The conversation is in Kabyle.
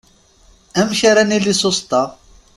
Amek ara nili susṭa?